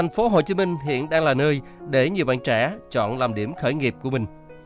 sở hiện đang là nơi để nhiều bạn trẻ chọn làm điểm khởi nghiệp của mình